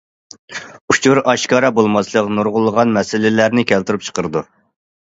ئۇچۇر ئاشكارا بولماسلىق نۇرغۇنلىغان مەسىلىلەرنى كەلتۈرۈپ چىقىرىدۇ.